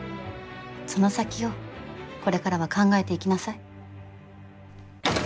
その先をこれからは考えていきなさい。